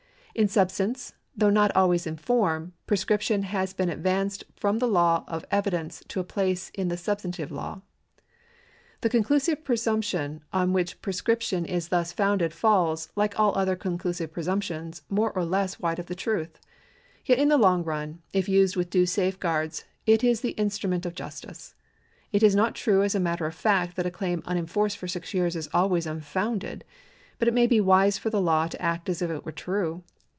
In substance, though not always in form, prescription lias been advanced from the law of evidence to a place in the substantive law. The conclusive presumption on which prescription is thus founded falls, like all other conclusive presumptions, more or less wide of the truth. Yet in the long run, if used with due safeguards, it is the instrument of justice. It is not true as a matter of fact that a claim unenforced for six years is always unfounded, but it may be wise for the law to act as if it were true.